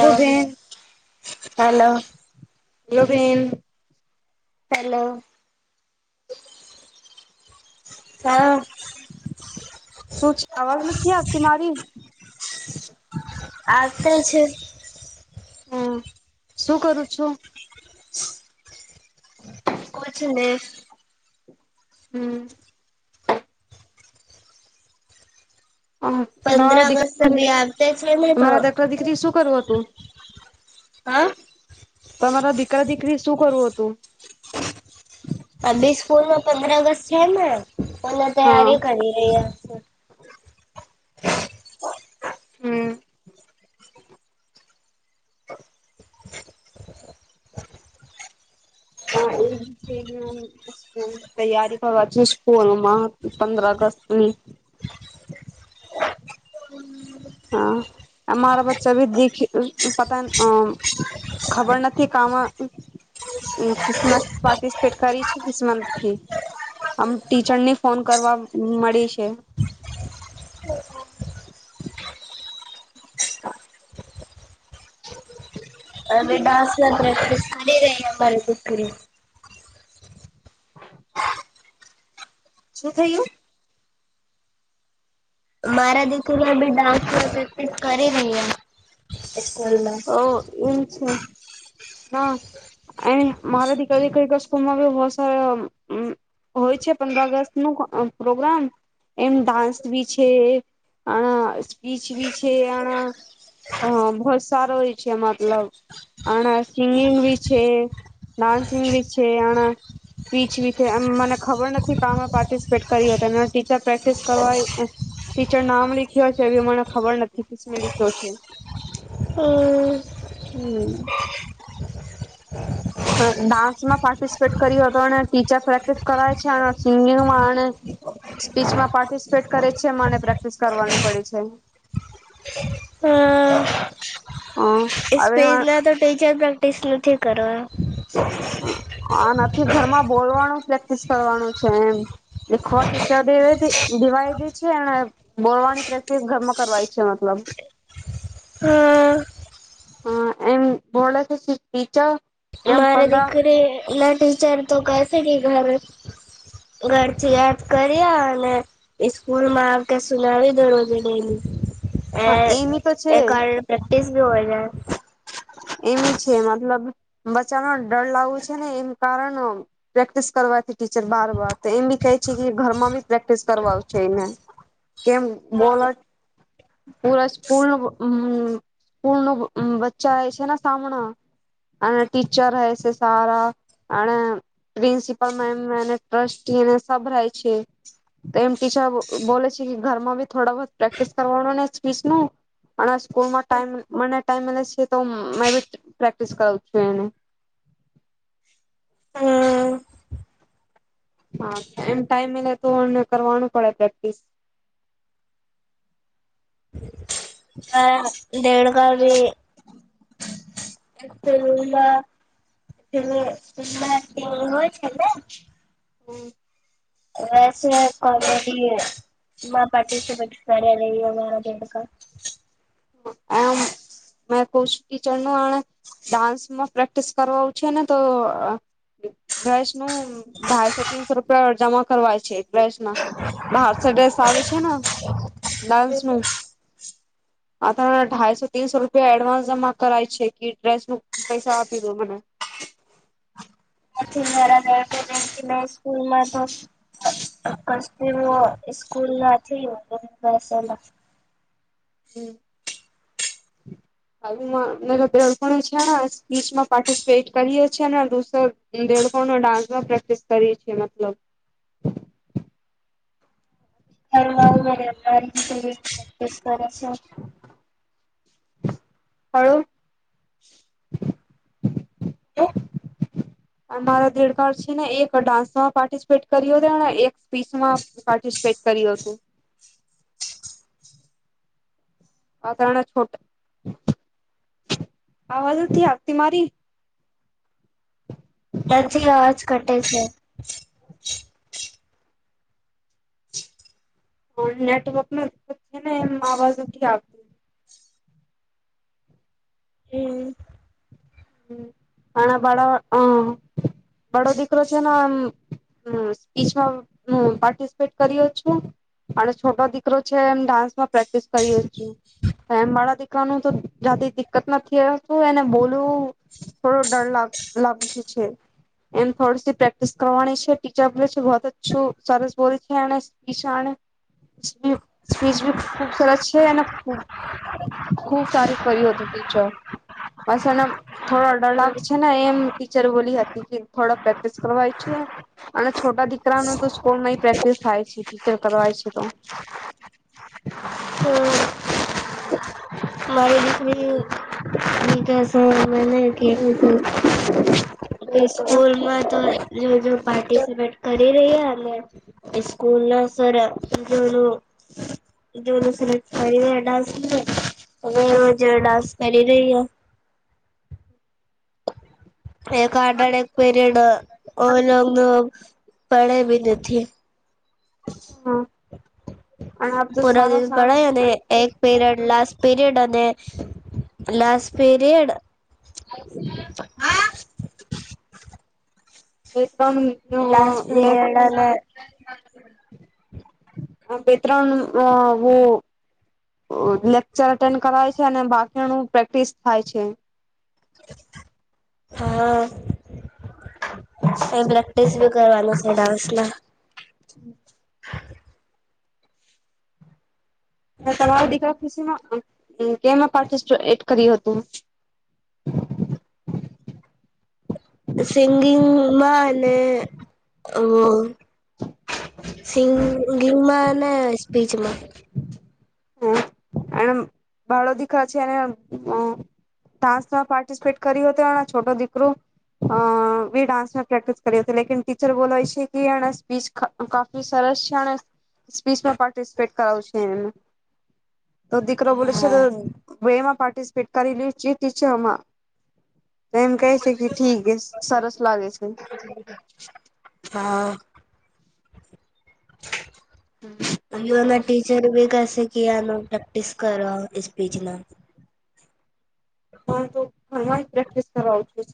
Hello બેન હ hello. Hello બેન. હેલો હા. તુંજ અવાજ નથી આવતી મારી આ તે છે. હમ્મ શું કરું છું. કુછ ને હમ્મ. પંદર તમારા દીકરા ઓગસ્ટ બી આવતા છે ને તો. તમારા દીકરા દીકરી શું કરવું હતું હા. તમારા દીકરા દીકરી શું કરવું હતું. આ બી સ્કૂલમાં પંદર ઓગસ્ટ છે ને એને હા તૈયારી કરી રહી યા છે. હમ્મ. હા એમ છે ને હા. તૈયારી કરવા છે સ્કૂલમાં પંદર અગસ્ત ની હા આ મારા બચ્ચા ભી દીખી પતાની ખબર નથી કામ ક્રિસમસ પાર્ટિસિપેટ કરી છે કિસમનસ નથી આમ ટીચર ની ફોન કરવા મળી છે. અ બેટા ડડી અમારે [unintelligible] શું થયું મારા દેખને અમે ડાન્સમાં પ્રેક્ટિસ કરી રહીએ સ્કૂલમાં ઓહ એમ છે. ના એ મારા દીકરી કઈ કઈ સ્કૂલમાં બહોત સારા હમ્મ હોય છે પંદર ઓગસ્ટ નું અ પ્રોગ્રામ એમ ડાન્સ બી છે આ સ્પીચ બી છે આળા હ, બહુત સારો હો છે, મતલબ, આના સિંગિંગ બી છે, ડાન્સિંગ બી છે, એના ટીચવી એમ મને ખબર નથી, કમાં પાર્ટિસિપેટ કરી હો, ટીચર પ્રેક્ટિસ કરવા. ટીચર નામ લિખ્યો છે, એ અમને ખબર નથી કેં લીખ્યો છે. હ. હમ. ડાન્સ માં પાર્ટિસિપેટ કર્યો હતો, અને ટીચર પ્રેક્ટિસ કરે છે, સિંગિંગમાં અને સ્પીચમાં પાર્ટિસિપેટ કરે છે, મને પ્રેક્ટિસ કરવાની પડે છે. હ [unintelligible] હવે સ્પેસ ના તો ટીચર પ્રેક્ટિસ નથી કરવા. હા નથી, ઘરમાં બોલવાનું પ્રેક્ટિસ કરવાનું છે એમ. દખો ટીચર દ એ દિવાઈ દે છે, એમ. બોલવાની પ્રેક્ટિસ ઘરમાં કરવાની છે, મતલબ. હા હા, એમ ભોળ કે બીચા. મારે દીકરે લ ટીચર તો કસે કે ઘર. ઘરથી યાદ કર્યા, અને સ્કૂલમાં આપ કે, સુનાવી દો, રોજે ડલી એ એમી તો છે એકર પ્રેક્ટિસ ભી હો જાય. એમ છે, મતલબ, બચ્ચામાં ડર લાગવું છે ને, એમ કારણ પ્રેક્ટિસ કરવાથી ટીચર બાર વાર તો એમ બી કહે છે કે, ઘરમાં બી પ્રેક્ટિસ કરવા છે એને. કેમ બોલર. પૂરા સ્કૂલ ન સ્કૂલ ન બચ્ચા એ છે ને, સામણા. અને ટીચર હૈ, એ સારા. અને પ્રિન્સિપલ મેમ અને ટ્રસ્ટી સબ રહે છે. તો એમ ટીચર બોલે છે કે, ઘરમાં બી થોડા પ્રેક્ટિસ કરવાનો ને સ્પીચ નું. પણ સ્કૂલમાં ટ મને ટાઈમ મળ છે, તો મે બી પ્રેક્ટિસ કરું છું એને. હમ હા, એમ ટાઈમ એલે તો એને કરવાનું પડે, પ્રેક્ટિસ. હમ. દેડ કરી, એકમાં. એ હોય છે ને. હમ. હ, કોમેડી મા પાટી શ પટર એ એંદકા. [unintelligible] [unintelligible] મે કહુ છું, કીચરનું આ ડાન્સમાં પ્રેક્ટિસ કરવા છે ને, તો દ્રસ નું ઢાઈસો, તીનસો રૂપિયા જમા કરવાય છે, દસમાં. બહારસ ડ્રેસ આવે છે ને, ડાન્સ નું. આઢાઈસો, તીનસો રૂપિયા એડવાન્સ જમા કરાાય છે, કેી ડ્રેસ મુક પૈસા આપી દો મને. મે સ્કૂલમાં તો સ્કૂલ ના બસ. હમ. [unintelligible] હરા પણ છે ને, સ્પીચમાં પાર્ટિસિપેટ કરીએ છે, નેૂસ દેડકો ને ડાન્સમાં પ્રેક્ટિસ કરીએ છીએ, મતલબ. હ વાુંીતે પ્રેકસ કરે છે [unintelligible] હળવું. [unintelligible] હ. મારા દેડકાર છે ને, એક ડાન્સમાં પાર્ટિસિપેટ કર્યો હતો ને, એક સ્પીચમાં. પાર્ટિસિપેટ કર્યું હતું. [unintelligible] આ તણે છોટા‌. આવાજ ઉથી આતી મારી. દજી અવાજ કટે છે. નેટવર્ક ને, એ આવાજ ઉ હમમમ હ બાડો દીકરો છે નેમ હપીચમાં હ પાર્ટિસિપેટ કર્યો છું. અને છોટો દીકરો છે એમ ડાન્સ માં પ્રેક્ટિસ કરીએ છીએ હમ માળા દીકરાનું તો જાતે દિકકત નથી તું એને બોલું થરો ડર લભ લભસે છે. એમ થોડી સી પ્રેક્ટિસ કરવાની છે. ટીચર બોલે છે બતછું સરસ બોલે છે. વિશ સ્ચ બી ખૂબ સરસ છે અને ખબ ખુબ તારીફ કર્યું હતું ટીચર બસ થોડા ડળક છે ને એમ ટીચર બોલી હતી કે થોડા પ્રેક્ટિસ કરવાય છે. અને છોટા દીકરા ન તો સ્કૂલ માં પ્રેક્ટિસ થાય છે. ટીચર કરવાય છે તો. મારે દેશ. કેસ મને કે હમ. સ્કૂલમાં તો જો જો પાર્ટિસિપેટ કરી ર્યાને સ્કૂલ ના સરું જોવ દસે ર ફ એટ હવે હજ ડાસ કરી રહી હ એક આઢ આડ એક પીરિયડ ઓલોગને પડે બી નથી. હા અને આપ તો પૂરા સારા દન પડાય સારા અને એક પીરિયડ લાસ્ટ પીરિયડ અને લાસ પીરિયડ હા એકમ લાસ્ટ પીરિયડ અને હ બેત્રન હું લેક્ચર અટેન્ડ કરે છે અને બાકીનું પ્રેક્ટિસ થાય છે. હા એ ભલા ટેસ્ટ ભી કરવા છે. મે તમારા દીરા ખુશીમાં પાર્ટિસપેટ કર્યું હતું સિંગિંગ માં અને ઓ સિંગિમાં નાને સ્પીચ માં હ અને ભાડો દીખા છે ને. ડાસમાં પાર્ટિસિપેટ કર્યો હતો છોટો દીકરો અ બી ડાન્સમાં પ્રેક્ટિસ કર હતી લકન ટીચર બોલાય છે. કે એ સ્પીચ કાફી સરસ છે અને સ્પીચમાં પાર્ટિસિપેટ કરાવું છે. એને તો દીકરો બોલે છે તો બેમાં પાર્ટિસિપેટ કરીલી છે આમાં તો એમ કહે છે કે ઠીક એ સરસ લાગે છે. હા યુવાના ટીચર બી કહેસે કે આનો પ્રેક્ટિસ કરો સ્પીચના હ તો ઘરમાં પ્રેક્ટિસ કરાવ છું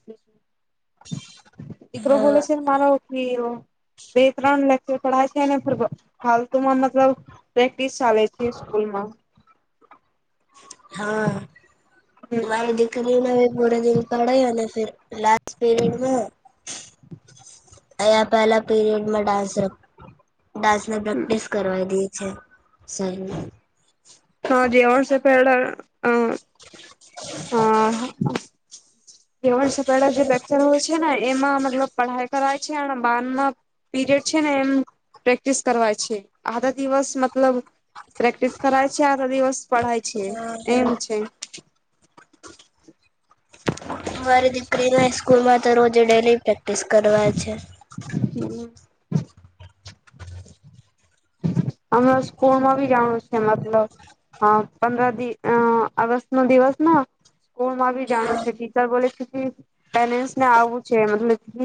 દીકરો બોલે હા છે. મા બે ત્રણ લેક્ચર પઢ છે ફ ફાલ તું મતલબ પ્રેક્ટિસ ચાલે છે સ્કૂલમાં હા હમ મારી દીકરી ન પૂરે દન પડે અને ફ લ પીરિયડમાં અયા પહેલા પીરિયડમાં ડાન્સ રખો ડાન્સ ને પ્રેક્ટિસ કરવા દે છે. સ હા જેવણ સફડા હ હા સપલા જેેક્ર હોય છે ને એમાં મતલબ પઢાઈ કરાય છે. અને બારમાં પીરિયડ છે ને એમ પ્રેક્ટિસ કરવા છે. આધા દિવસ મતલબ પ્રેક્ટિસ કરાય છે આ તો દિવસ પઢાય છે, હા એમ છે. મારી દીકરી ના સ્કૂલ માં તો રોજે ડેલી પ્રેક્ટિસ કરવા છે. [unintelligible] અમે સ્કૂલમાં ભી જાણું છે મતલબ હા પંદર દિવ અગસ્ટત નો દિવસ ના સ્કૂલ માં બી જાણું છે ટીચર બોલે છે પેરેન્ટ્સ ને આવું છે મતલબ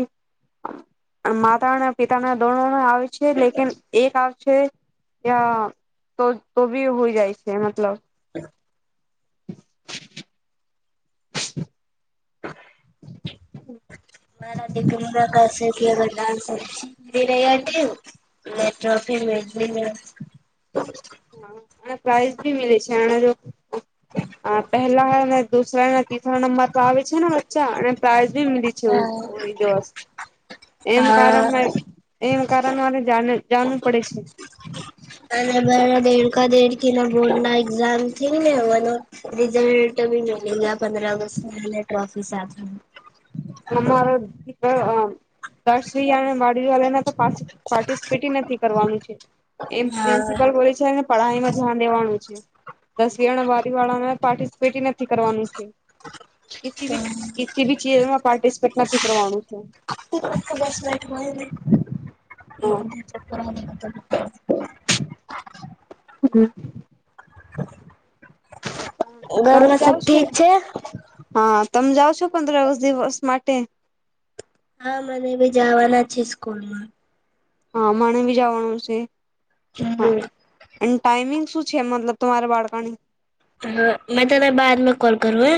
માતા ના પિતા નાને દોનો ના આવે છે લેકીન એક આ છે યા તો તો બી હોય જાય છે મતલબ [unintelligible] [unintelligible] [unintelligible] એ ટ્રોફી મેલતી ને હા અને પ્રાઈઝ ભી મીલે છે. [unintelligible] આ પહેલા ને દુસરા અને તીસરા નંબર પર આવે છે ને બચ્ચા અને પ્રઇઝ બી મીલી છે ઓઈ દિવસ એમ હા કારણ એમ કારણ મારે જાનુ જાણવું પડે છે. અને બ દેડકા દેડકી બોર્ડ ના એક્ઝામ થઇ ને હોવાનું રિઝલ્ટ પંદરહ અગસ્ત ટ્રોફી સાથે અમારો દસને વાલે ને પાર્ટિસિપેટ નથી કરવાનું છે એમ હા પ્રિન્સિપલ બોલે છે અને પઢાઈમાં ધ્યાન દેવાનું છે દસવી બારવી વાળા પાર્ટિસપેટ નથી કરવાનું છે. તો કીસીબી ચીજમાં પાર્ટિસપેટ નથી કરવાનું છે. બસ લેટ હોય હમ તમે ઘરમાં સબ જાવ છો ઠીક છે? હા તમે જાઓ છો પંદર વસ દિવસ માટે? હા મને ભી જવાના છે સ્કૂલ માં. હા મને બી જાવાનું છે હા. હમ્મ અને ટાઈમિંગ શું છે મતલબ તમારા બાળકાની. હ મેં ત ના બાદમાં કોલ કરું હે.